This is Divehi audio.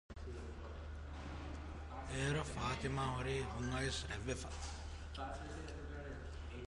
އޭރު ފާތިމާ ހުރީ ހުންއައިސް ރަތްވެފަ